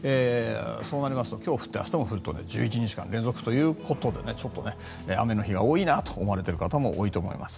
そうなりますと今日降って明日も降ると１１日連続ということでちょっと雨の日が多いなと思われている方も多いと思います。